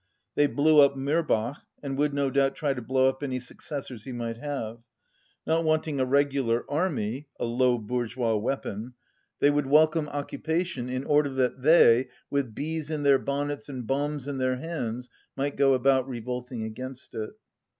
They blew up Mirbach, and would no doubt try to blow up any successors he might have. Not wanting a regular army (a low bourgeois weapon) 197 they would welcome occupation in order that they, with bees in their bonnets and bombs in their hands, might go about revolting against it.